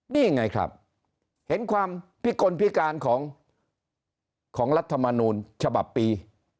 นี่ไงครับเห็นความพิกลพิการของรัฐมนูลฉบับปี